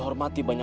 pergi ke sana